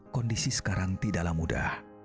kondisi sekarang tidaklah mudah